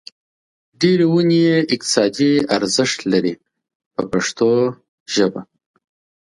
ډېرې ونې یې اقتصادي ارزښت لري په پښتو ژبه.